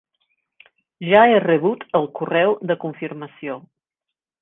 Ja he rebut el correu de confirmació.